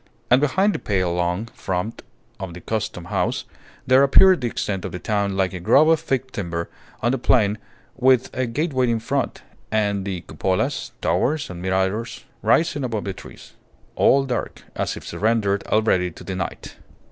And behind the pale long front of the Custom House, there appeared the extent of the town like a grove of thick timber on the plain with a gateway in front, and the cupolas, towers, and miradors rising above the trees, all dark, as if surrendered already to the night.